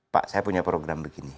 pak saya punya program begini